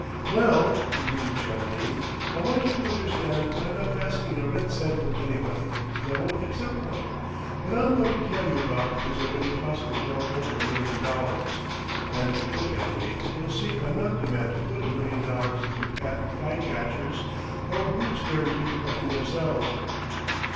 "Well," continued John Dene, "I want you to understand I'm not asking a red cent from anybody, and I won't accept one. What I'm going to tell you about has already cost me well over a million dollars, and if you look at me you'll see I'm not the man to put a million dollars into patent fly catchers, or boots guaranteed to button themselves."